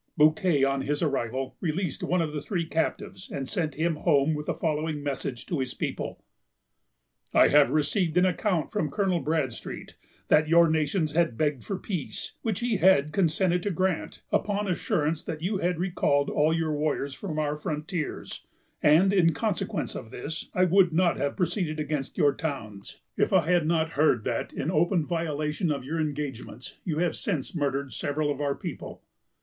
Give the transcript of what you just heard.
Bouquet, on his arrival, released one of the three captives, and sent him home with the following message to his people:—— "I have received an account, from Colonel Bradstreet, that your nations had begged for peace, which he had consented to grant, upon assurance that you had recalled all your warriors from our frontiers; and, in consequence of this, I would not have proceeded against your towns, if I had not heard that, in open violation of your engagements, you have since murdered several of our people.